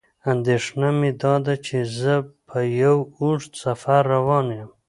اندېښنه مې داده چې زه په یو اوږد سفر روان یم.